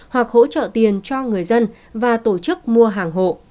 hoặc hỗ trợ tiền cho người dân và tổ chức mua hàng hộ